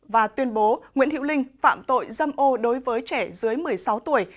và tuyên bố nguyễn hữu linh phạm tội dâm ô đối với trẻ dưới một mươi sáu tuổi